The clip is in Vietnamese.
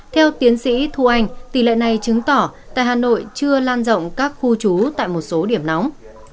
theo tiến sĩ thu anh tỷ lệ này chứng tỏ tại hà nội chưa lan rộng các khu trú tại một số điểm nóng